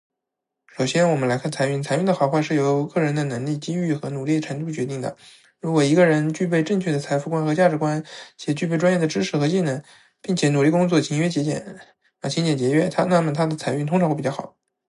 首先，我们来看财运。财运的好坏是由个人的能力、机遇和努力程度决定的。如果一个人具备正确的财富观和价值观，且具备专业知识和技能，并且努力工作、勤俭节约，那么他的财运通常会比较好。另外，善于把握机遇和拓展人脉也是提高财运的重要因素。